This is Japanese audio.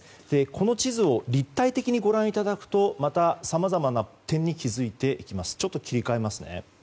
この地図を立体的にご覧いただくとまたさまざまな点に気づいていきます。